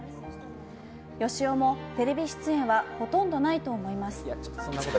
よしおもテレビ出演はほとんどないと思います。